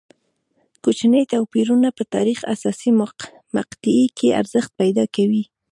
کوچني توپیرونه په تاریخ حساسې مقطعې کې ارزښت پیدا کوي.